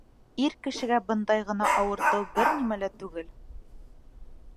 Ир кешегә бындай ғына ауыртыу бер нимә лә түгел.